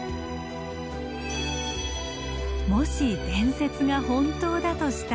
もし伝説が本当だとしたら。